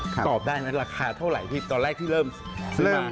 ตอบได้ไหมราคาเท่าไหร่ที่ตอนแรกที่เริ่มซื้อมา